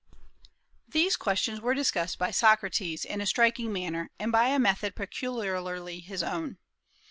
These questions were discussed by Socrates in a striking manner, and by a method peculiarly his own.